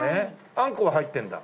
あんこが入ってんだ。